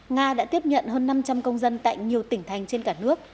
nga đã tiếp nhận hơn năm trăm linh công dân tại nhiều tỉnh thành trên cả nước